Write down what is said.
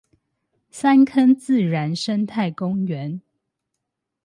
三坑自然生態公園